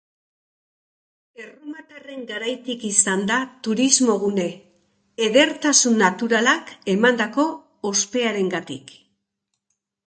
Erromatarren garaitik izan da turismo-gune, edertasun naturalak emandako ospearengatik.